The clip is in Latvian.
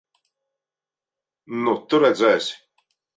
Nu, tu redzēsi!